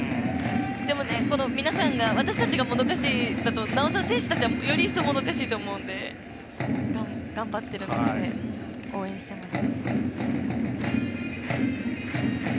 でも私たちが、もどかしいのとなおさら、選手たちはより一層もどかしいと思うので頑張ってる中で応援しています。